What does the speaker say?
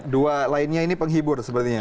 dua lainnya ini penghibur sepertinya